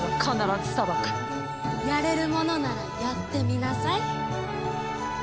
やれるものならやってみなさい。